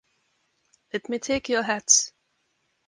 Let me take your hats.